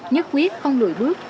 nhất quyết không lùi bước